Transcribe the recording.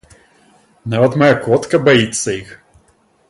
Нават мая котка баіцца іх.